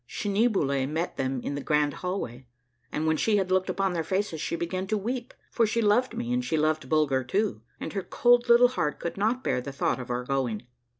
Schneeboule met them in the grand hallway ; and when she had looked upon their faces she began to weep, for she loved me and she loved Bulger too, and her cold little heart could not bear the thought of our going.